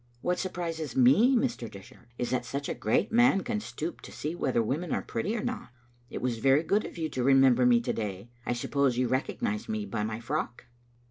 " What surprises me, Mr. Dishart, is that such a great man can stoop to see whether women are pretty or not. It was very good of you to remember me to day. I suppose you recognized me by my frock?"